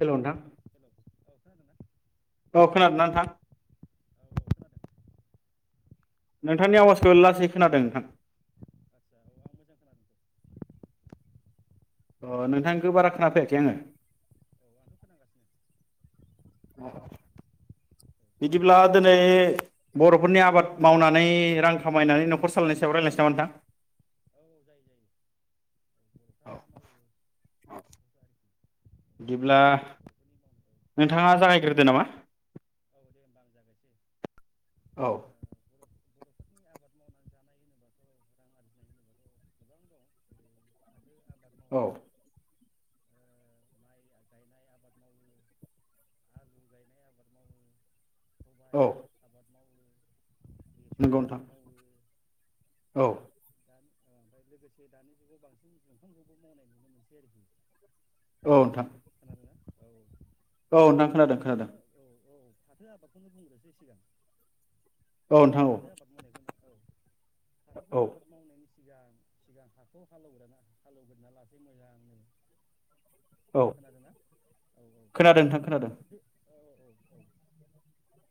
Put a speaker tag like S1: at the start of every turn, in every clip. S1: हेल नोंथां
S2: हेलौ औ खोनादोंना
S1: अ खोनादों ना नोंथां
S2: औ औ खोनादों
S1: नोंथांनि आवाजखौ लासै खोनादों नोंथां
S2: आदसा औ आं मोजां खोनादों दे।
S1: अ
S2: खोनादों
S1: नोंथांखौ बारा खोना फैयाखै आङो
S2: औ आंथ' खोनागासिनो औ
S1: बिदिब्ला
S2: खोनाबायना
S1: दिनै बर'फोरनि
S2: औ
S1: आबाद मावनानै रां खामायनानै न'खर सालायनायनि सायाव रायज्लायनोसै नामा नोंथां
S2: औ औ जायो जायो औ बर'फ्रा मा मावो औ
S1: औ औ
S2: बेफोरखौ आरोखि औ गामि ओनसोलनि बर'फोरनि मावनाय औ
S1: नोंथाङा जागायग्रोदो नामा
S2: [unintelligible]
S1: औ
S2: बर' बर'फोरनि आबाद मावनानै जानाय होनोब्लाथ' रां आरजिनाय होनोबाथ' गोबां दं जेरै फाथो आबाद
S1: औ
S2: मावो माइ गायनाय आबाद मावो आलु गायनाय आबाद मावो सबाइ
S1: औ
S2: आबाद मावो बेसर
S1: नंगौ नोंथां
S2: आबाद
S1: औ
S2: द ओमफ्राय लोगोसे दानि जुगाव बांसिन बिंफांखौबो मावनाय नुनो मोनसै आरोखि
S1: औ नोंथां औ
S2: द
S1: नोंथां
S2: आं
S1: खोनादों खोनादों
S2: फाथोखौनो औ औ फाथो आबादखौनो बुंग्रोसै सिगां
S1: औ नोंथां औ
S2: फाथो पाथ ममोन एनो हाथ'खौबो
S1: औ
S2: आबाद मावनायनि सिगां सिगां हाखौ हालेवग्रा हालेवग्रोना लासै मोजांनो
S1: औ
S2: खोनादों ना औ औ
S1: खोनादों नोंथां खोनादों
S2: बेखौ औ औ औ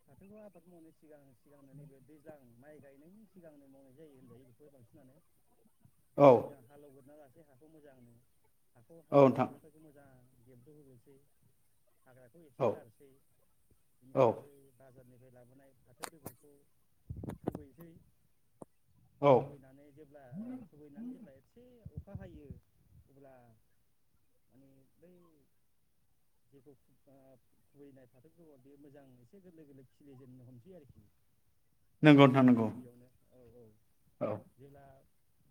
S2: फाथोखौ आबाद मावनायनि सिगां सिगांनो नैबे दैजां माइ गायनायनि सिगांनो मावनाय जायो होनदों बेखौबो बांसिनानो
S1: औ
S2: सिगां हालौ [unintelligible] देहाखौ मोजां ह'
S1: औ नोंथां
S2: हाख' हाथखौ मोजां [unintelligible] हाग्राखौ एसे
S1: औ
S2: गारसै
S1: औ
S2: नायबै ना बाजारनिफ्राय लाबोनाय फाथो बेगरखौ खुबैनोसै।
S1: औ
S2: खुबैनानै जेब्ला ओ खुबैनानै जेब्ला एसे अख अखा हायो अब्ला माने बै जेखौ ओब खुबैनाय फाथो गोब बे मोजां एसे गोरलै गोरलै खिलिजेननो हमसै आरोखि
S1: नंगौ नोंथां नंगौ
S2: गिबियावनो औ औ
S1: औ
S2: जेब्ला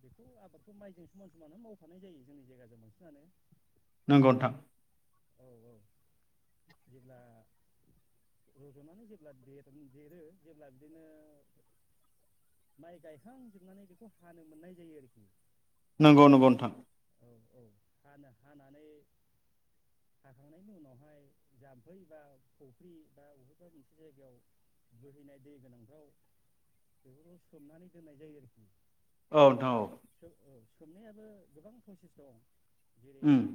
S2: बेखौ आबादखौ माइजों समान समान मावफानाय जायो जोंनि जायगाजों बांसिनानो।
S1: नंगौ नोंथां।
S2: औ औ जेब्ला रज'नानै जेब्ला देरो जेब्ला बिदिनो माइ गायखांजोबनानै बेखौ हानो मोननाय जायो आरोखि
S1: नंगौ नंगौ नोंथां।
S2: औ औ हानो हानानै हाखांनायनि उनावहाय जाम्फै बा फुख्रि बा बबेबा मोनसे जायगायाव बोहैनाय दै गोनांफ्राव बेफोरखौ सोमनानै दोननाय जायो। आरोखि
S1: औ नोंथां औ
S2: सो औ सोमनायाबो गोबां फसिस दं। जेरै
S1: उम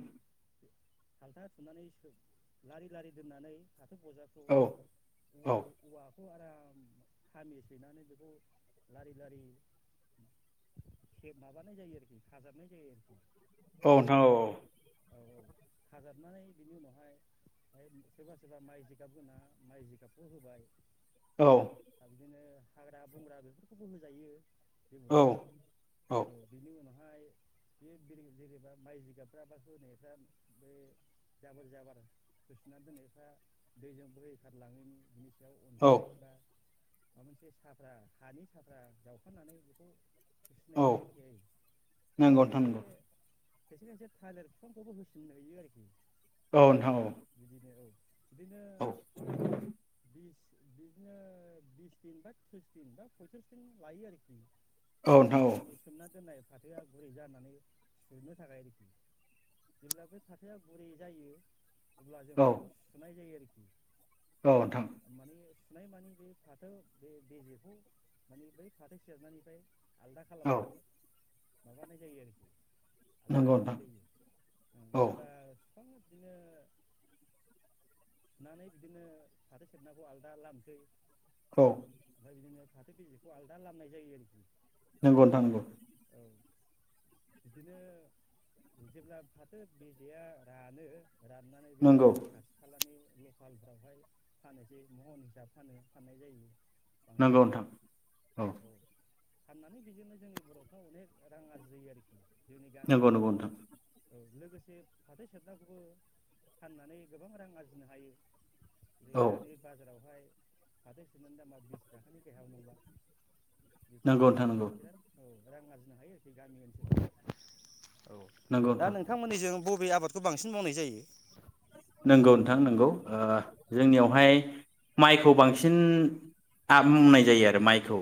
S2: फालथा थुनानै सो लारि-लारि दोननानै फोजाखौ
S1: औ औ
S2: उ-उ-उवाब बेखौ आराम खामिसैनानै बेखौ लारि-लारि खेब माबानाय जायो आरोखि खाजाबनाय जायो।
S1: औ नोंथां औ-औ।
S2: औ-औ खाजाबनानै बिनि उनावहाय ओ सोरबा-सोरबा माइ जिगाब होना माइ जिगाबखौ होबाय।
S1: औ
S2: सा बिदिनो हाग्रा बंग्रा बेफोरखौबो होजायो। जेबो नङा औ बिनि उनावहा फाय बे जेरै जेरैबा माइ जिगाबफ्रा होनायफ्रा बे जाबोर जाबार होसनानै दोननायफ्रा दैजों बोहैखारलाङैनि बिनि अ
S1: औ
S2: अन्थाइ बा माबा मोनसे साफ्रा हानि साफ्रा जावफानानै बेखौ फिसिनाय
S1: औ
S2: जायो [unintelligible]
S1: नंगौ नोंथां
S2: खायसे-खायसे
S1: नंगौ
S2: खायसे-खायसे थालिर फिफांखौबो होसन होयो आरोखि
S1: औ नोंथां औ।
S2: बिदि
S1: औ
S2: बिस बिदिनो बिस दिन बा थ्रिस दिन बा पयथ्रिस दिन लायो आरोखि।
S1: औ
S2: जेब्ला
S1: नोंथां
S2: बे माने सोमना दोननाय फाथोआ गुरै जानानै सुनो थाखाय आरोखि। जेब्लाबा बे फाथोआ गुरै जायो। अब्ला जों
S1: औ
S2: बेखौ सुनाय जायो आरोखि।
S1: औ नोंथां
S2: माने सुनाय माने बे फाथो बे बेजेखौ माने बै फाथो सेरनायनिफ्राय आलदा
S1: औ
S2: खालामनानै [inaudible] आलदा
S1: नंगौ
S2: खालामनाय
S1: नोंथां
S2: जायो। उम
S1: औ
S2: जेब्ला बिफां बिदिनो सुनानै बिदिनो फाथो सेरनाखौ आलदा लामसै।
S1: औ।
S2: ओमफ्राय बिदिनो फाथो बेजेखौ आलदा लामनाय जायो आरोखि।
S1: नंगौ नोथां नोंगौ।
S2: औ बिदिनो। जेब्ला फाथो बिजेया रानो राननानै बे
S1: नंगौ
S2: खाथि खालानि लकालफ्रावहाय फानोसै महन हिसाब फानो फाननाय जायो
S1: नंगौ
S2: बांसिनानो
S1: नोंथां
S2: औ फाननानै बेजोंनो जोंनि बर'फ्रा अनेक रां आरजियो आरोखि जोंनि गामि
S1: नंगौ नंगौ
S2: ओनसोलाव
S1: नोंथां
S2: औ लोगोसे फाथो सेरनाखौबो फाननानै गोबां रां आरजिनो हायो बे
S1: औ
S2: दानि बाजारावहाय फाथो सेरनानि दामा बिस थाखाानि गाहयाव नंला बिफोरनो
S1: नंगौ
S2: बेजों
S1: नोंथां नंगौ
S2: बिराद औ रां आरजिनो हायो आरोखि गामि ओनसोलाव औ
S1: नंगौ
S2: दा
S1: नोंथां
S2: नोंथांमोननिजों बबे आबादखौ बांसिन मावनाय जायो
S1: नंगौ नोंथां नंगौ जोंनियावहाय माइखौ बांसिन आब मावनाय जायो आरो माइखौ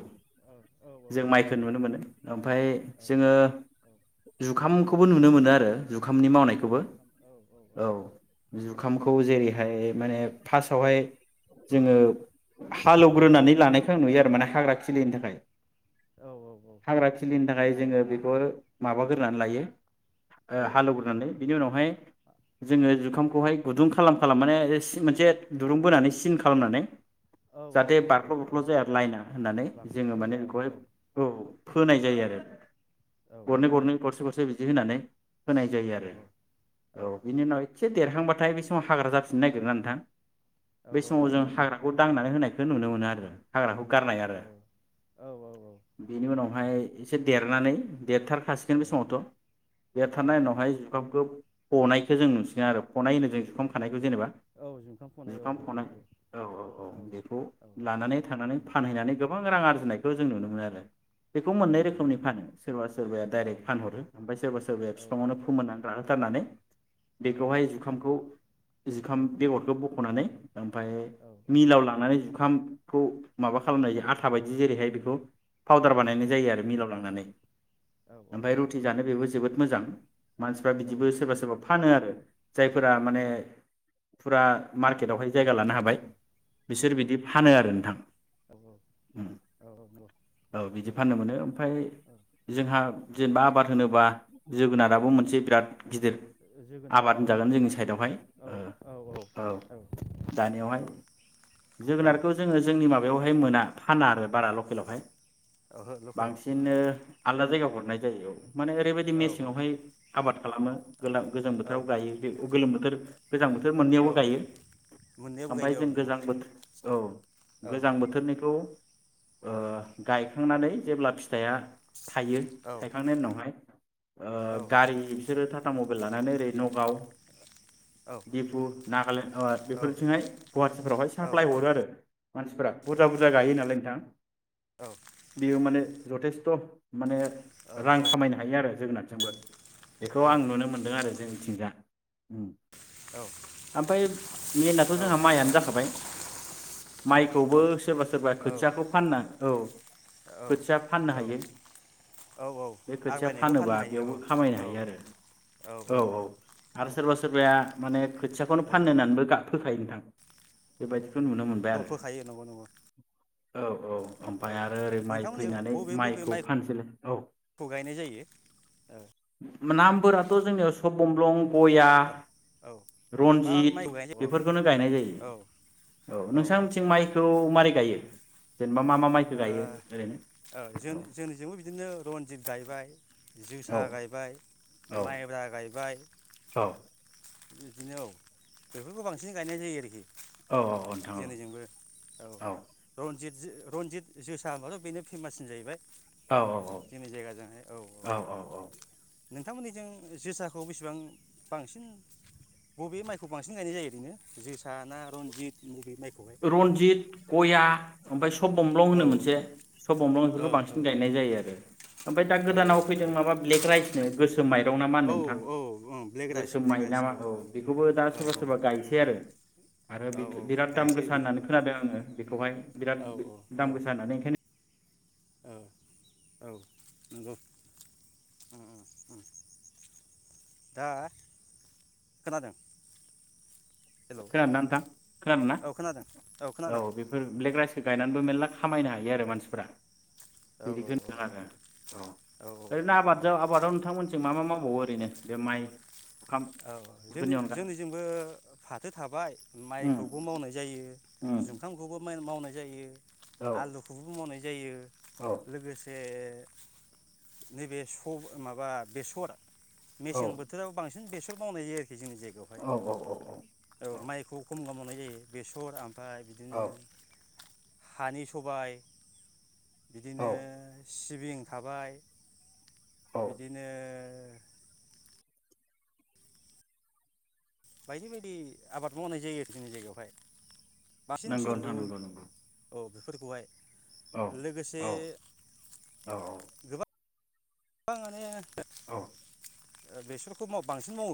S1: जों माइखौ नुनो मोनो ओमफ्राय जोङो जुखाम‌ खौबो नुनो मोनो आरो जुखामनि मावनायखौबो औ जुखामखौ जेरैहाय माने फार्स्टावहाय जोङो हालौवग्रोनानै लानाय खौ नुयो आरो माने हाग्रा खिलियैनि थाखाय हाग्रा खिलियैनि थाखाय जोंङो बेखौ माबाग्रोनानै लायो ओ हालोवग्रोनानै बिनि उनावहाय जोंङो जुखामखौहाय गुदुं खालाम खालाम माने एस मोनसे दुरुं बोनानै सिन खालामनानै जाहाथे बार्ख बुरख्ल जाया लाइना होननानै जोंङो माने बहाय औ फोनाय जायो आरो गरनै गरनै गरसे गरसे बि बिदि होनानै होनाय जायो आरो औ बिनि उनाव एसे देरहांबाथाय बे समाव हाग्रा जाफिननो नागिरोना नोंथां बै समाव जों हाग्राखौ दांनानै होनाय खो नुनो मोनो आरो हाग्राखौ
S2: ओ
S1: गारनाय
S2: आदसा
S1: आरो
S2: औ औ औ औ
S1: बेनि उनावहाय एसे देरनानै देरथारखासिगोन बे समावथ देरथारनायनि उनावहाय जुखामखो हनायखो जों नुसिगोन आरो हनाय होनो जों जुखाम खानाय जेनेबा जुखाम हनाय औ औ औ बेखौ लानानै थांनानै फानहैनानै गोबां रां आरजिनाय जों नुनो मोनो आरो बेखौ मोननै रोखोमनि फानो सोरबा सोरबाया दडाइरेक्ट फानहरो ओमफाय सोरबा सोरबाया फिफाङावनो फोमोननानै राहोथारनानै बेखौहाय जुखामखौ जुखाम बेगरखौ बखनानै ओमफाय
S2: औ
S1: मिलाव लांनानै जुखाम खौ माबा खालामनाय आथा बायदि जेरैहाय [unintelligible] पाउदार
S2: औ
S1: बानायनाय जायो आरो मिलाव लांनानै
S2: औ
S1: ओमफाय रुटि जानो बेबो जोबोद मोजां मानसिफ्रा
S2: औ
S1: बिदिबो सोरबा
S2: रुथि
S1: सोरबा
S2: ओं
S1: फानो आरो जायफोरा माने
S2: फानो
S1: फुरा मार्केट आवहाय जायगा लानो हाबाय
S2: औ
S1: बिसोर बि दि फानो आरो नोंथां
S2: औ औ औ
S1: औ बिदि फाननो मोनो ओमफाय जोंहा जेनेबा आबाद होनोबा जोगोनाराबो
S2: औ
S1: मोनसे बिराद गिदिर
S2: जोगोनार
S1: आबाद
S2: औ औ
S1: होनजागोन जोंनि
S2: दानि औ
S1: साइदावहाय
S2: औ
S1: ओ
S2: औ
S1: ओ
S2: औ
S1: दानियावहाय
S2: औ
S1: जोगोनारखौ जोंङो जोंनि माबा बेवहाय मोना फाना आरो बारा ल' खेलावहाय
S2: ओहो लकेलाव
S1: बांसिनो आलदा जायगायाव हर नाय जायो औ माने ओरैबायदि
S2: औ औ
S1: मेसेङावहाय आबाद खालामो गोला गोजां
S2: औ
S1: बोथोराव गायो बे गोलोम बोथोर गोजां बोथोर
S2: औ
S1: मोननैयावबो गायो
S2: मोननैयावबो
S1: ओमफाय
S2: गायो औ
S1: जों
S2: नंगौ
S1: गोजां बोथो औ
S2: औ
S1: गोजां बोथोरनिखौ ओ
S2: औ
S1: गायखांनानै जेब्ला फि थाइया थायो
S2: औ
S1: थायखांनायनि उनावहाय
S2: औ
S1: ओ गारि बिसोरो था टा मबाइल लानानै ओरै नगाव
S2: औ
S1: दिपु नागालेण्ड वाद
S2: औ औ
S1: बेफोरथिंहाय गुवाहाटिफोरावहाय
S2: औ
S1: साप्लाय हरो आरो मानसिफ्रा बुरजा बुरजा गायो नालाय न थां बियो माने जथेस्थ' माने रां खामायनो हायो आरो जोगोनादजोंबो बेखौ आं नुनो मोन्दों आरो जोंनिथिंजा। उम ओमफाय मेनाथ' जोंहा माइयानो जाखाबाय माइखौबो सोरबा सोरबा खोथियाखौ फानना औ
S2: औ
S1: खोथिया फाननो
S2: औ
S1: हायो
S2: औ औ
S1: बे खोथिया
S2: आग्लायनायखौ
S1: फानोबा
S2: फाननो हायो
S1: बेयावबो खामायनो
S2: औ
S1: हायो आरो औ औ आरो
S2: नंगौ
S1: सोरबा सोरबाया माने खोथियाखौनो
S2: ओ
S1: फाननो होननानैबो गा फोखायो नोंथां बेबायदि
S2: औ फोखायो नंगौ नंगौ
S1: औ औ
S2: औ
S1: ओमफाय आरो ओरै माइ
S2: नोंथांमोननि
S1: फैनानै
S2: बबे बबे
S1: माइखौ फानसैलै औ
S2: गायनाय जायो ओ
S1: नामफोराथ' जोंनियाव सब बम्लं गया,
S2: औ औ मा
S1: रन्जित
S2: माइखौ गायनाय जायो औ
S1: बेफोरखौनो गायनाय जायो।
S2: औ
S1: औ नोंसां मिथिं
S2: आदसा औ
S1: माइखौ मारै गायो? जेनेबा मा मा माइखौ
S2: औ
S1: गायो ओरैनो?
S2: ओ जों
S1: औ
S2: जोंनिजोंबो बिदिनो रनजित गायबाय
S1: औ
S2: जोसा गायबाय, माइब्रा गायबाय
S1: औ
S2: बिदिनो औ बेफोरखौ बांसिन गायनाय जायो आरोखि
S1: औ औ औ नोंथां औ
S2: जे रनजित जोसा होनबाथ' बेनो फेमाससिन जाहैबाय
S1: औ औ औ औ औ औ
S2: नोंथांमोननिजों जोसाखौ बेसिबां बांसिन बबे माइखौ बांसिन गायनाय जायो ओरैनो जोसा ना रनजित बबे माइ
S1: रनजित गया ओमफ्राय सु सब बमब्लं होनो
S2: औ
S1: मोनसे सब बमब्लं
S2: औ
S1: बेफोरखौ बांसिन गायनाय जायो आरो ओमफ्राय दा
S2: औ
S1: गोदानाव फैदों माबा ब्लेक राइसनो गोसो म माइरं ना मा
S2: औ
S1: होन्दों नोंथां
S2: ओं ब्लेक राइस
S1: गोसोम
S2: ब्लेक
S1: माइ
S2: राइस
S1: नामा औ बेखौबो दा
S2: औ
S1: सोरबा सोरबा गायसै आरो आरो
S2: औ औ
S1: बिथोबिराद
S2: गायसै
S1: गोसा होननानै
S2: बेखौबो
S1: खोनादों आङो बेखौहाय
S2: औ
S1: बिराद
S2: औ
S1: दाम गोसा होननानै ओंखाय [inaudible]
S2: औ औ नोंगौ दा खोनादों हेलौ
S1: खोनादो ना नोंथां? खोनादों ना
S2: औ खोनादों खोनादों
S1: औ बेफोर ब्लेक राइस गायनानैबो मेल्ला खामायनो हायो आरो मानसिफ्रा
S2: औ औ
S1: बिदिखौहोन्दों आरो औ ओरैनो
S2: औ
S1: आबादजाव आबादाव नोंथांमोनथिं मा मा मावो? औ ओरैनो बे माइ जुखाम
S2: औ जोंनि
S1: बेफोरनि अनगा
S2: जोंनिजोंबो फा थो थाबाय
S1: उम
S2: माइखौबो मावनाय जायो
S1: उम
S2: जुखामखौबो माइन मावनाय जायो
S1: औ
S2: आलुखौबो मावनाय जायो
S1: औ
S2: लोगोसे नैबे स माबा बेसर
S1: औ
S2: मेसें बोथोराव बांसिन बेस र मावनाय जायो जोंनि जायगायावहाय
S1: औ
S2: औ माइखौ खम गामावनाय बे-बेसर आम फाय बिदिनो
S1: औ
S2: हानि सबाय
S1: औ
S2: बिदिनो सिब बिं थाबाय
S1: औ
S2: बिदिनो बायदि बायदि आबाद मावनाय जायो आरो जोंनि जायगायावहाय। बांसिन
S1: नोंगौ नोंथां
S2: सोलु
S1: नोंगौ नोंगौ।
S2: औ बेफोरखौहाय लोगोसे
S1: औ औ
S2: [unintelligible]
S1: औ।
S2: ओ बेसरखौ माव बांसिन मावो।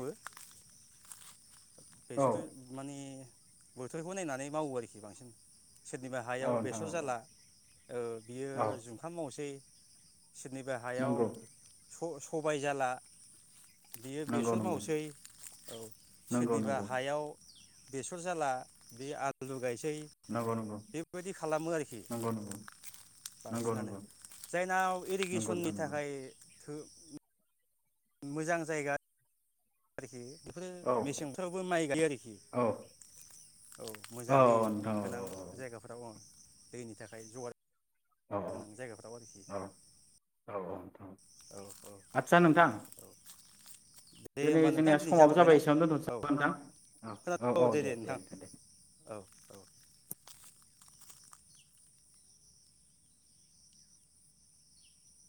S1: औ
S2: बेसोरबो माने बोथोरखौ नायनानै मावो आरोखि बांसिन। सोरनिबा हायाव
S1: नोंथां
S2: बेसर जाला ओ बियो
S1: औ औ
S2: जुखाम मावसै। सोरनिबा हायाव
S1: नंगौ
S2: अ सबाय जाला बियो
S1: नंगौ
S2: बेसर
S1: नंगौ
S2: मावसै औ
S1: नंगौ
S2: सोरनिबा
S1: नंगौ
S2: हायाव बेसर जाला बे आलु गायसै।
S1: नंगौ नंगौ
S2: थै बेबायदि खालामो आरोखि
S1: नंगौ नंगौ नंगौ
S2: बांसिनानो जायनाव इरिगेसननि
S1: नोंथां नंगौ
S2: थाखाय थो मोजां जायगा आरोखि बेफोरो
S1: औ
S2: मेसें बोथोरावबो माइ गायो आरोखि
S1: औ
S2: औ मोजां दै
S1: औ नोंथां
S2: गोनां जायगाफोराव औ। दैनि थाखाय जगार
S1: औ
S2: गोनां जायगाफ्राव
S1: औ
S2: आरोखि
S1: औ औ औ। नोंथां
S2: औ औ
S1: आदसा नोंथां
S2: औ दे
S1: दिनै
S2: होमबा नोंथां
S1: जोंनिया
S2: दिनै
S1: समावबो
S2: जाथ'बायना
S1: जाबाय एसेआवनो
S2: औ
S1: दोनथ'नोसै दां औ
S2: खोना
S1: औ औ दे दे नोंथां दे।
S2: अ।